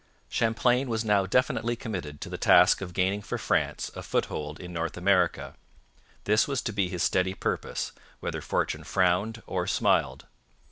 Champlain was now definitely committed to the task of gaining for France a foothold in North America. This was to be his steady purpose, whether fortune frowned or smiled.